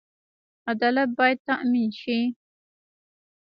عدالت باید تامین شي